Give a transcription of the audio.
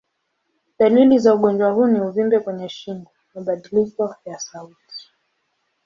Dalili za ugonjwa huu ni uvimbe kwenye shingo, mabadiliko ya sauti.